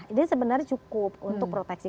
ini sebenarnya cukup untuk proteksi